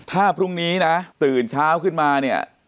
ถ้าพรุ่งนี้นะตื่นเช้าขึ้นมาเนี่ย